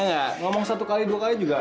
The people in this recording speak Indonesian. iya nggak ngomong satu kali dua kali juga